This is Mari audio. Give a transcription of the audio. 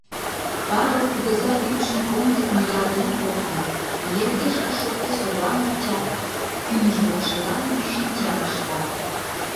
Павыл кугыза ӱпшым комдык ниялтен колта, йыргешке шопке совлам куча, кӱмыж покшелан ӱйшинчам ышта.